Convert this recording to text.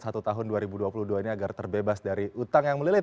satu tahun dua ribu dua puluh dua ini agar terbebas dari utang yang melilit